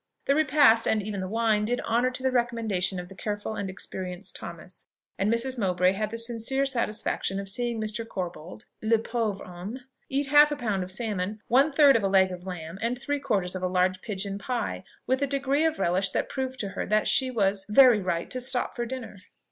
The repast, and even the wine, did honour to the recommendation of the careful and experienced Thomas: and Mrs. Mowbray had the sincere satisfaction of seeing Mr. Corbold ("le pauvre homme!") eat half a pound of salmon, one third of a leg of lamb, and three quarters of a large pigeon pie, with a degree of relish that proved to her that she was "very right to stop for dinner."